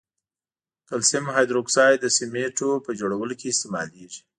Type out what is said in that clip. کلسیم هایدروکساید د سمنټو په جوړولو کې استعمالیږي.